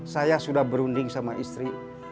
saya sudah berunding sama istri